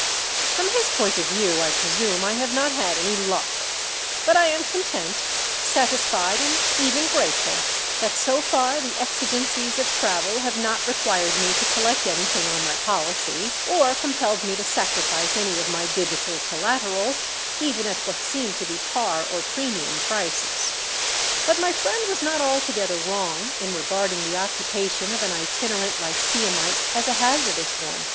_" From his point of view I presume I have not had any "luck"; but I am content, satisfied, and even grateful that so far the exigencies of travel have not required me to collect anything on my policy, or compelled me to sacrifice any of my digital collateral even at what seem to be par or premium prices. But my friend was not altogether wrong in regarding the occupation of an itinerant lyceumite as a hazardous one.